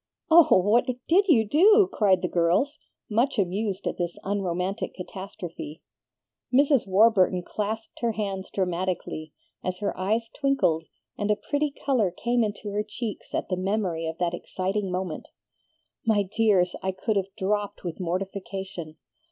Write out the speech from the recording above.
"Oh, what DID you do?" cried the girls, much amused at this unromantic catastrophe. Mrs. Warburton clasped her hands dramatically, as her eyes twinkled and a pretty color came into her cheeks at the memory of that exciting moment. "My dears, I could have dropped with mortification!